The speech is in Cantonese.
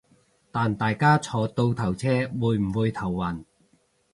但大家坐倒頭車會唔會頭暈